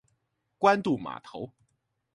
關渡碼頭